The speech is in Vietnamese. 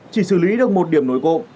chỉ xử lý được một điểm nối cộng